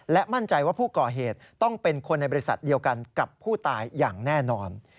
และมั่นใจว่าผู้ก่อเหตุต้องเป็นคนในบริษัทเดียวกันกับผู้ตายอย่างแน่นอน